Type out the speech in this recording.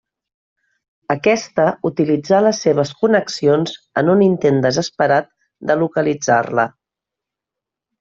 Aquesta utilitzà les seves connexions en un intent desesperat de localitzar-la.